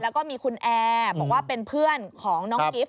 แล้วก็มีคุณแอร์บอกว่าเป็นเพื่อนของน้องกิฟต